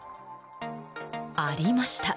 ありました！